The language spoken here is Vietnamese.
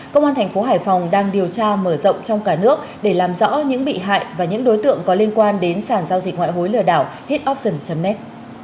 công an thành phố hải phòng đang điều tra mở rộng trong cả nước để làm rõ những bị hại và những đối tượng có liên quan đến sản giao dịch ngoại hối lừa đảo hit opson net